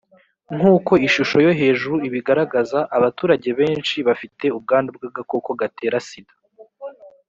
nk’uko ishusho yo hejuru ibigaragaza abaturage benshi bafite ubwandu bw’agakoko gatera sida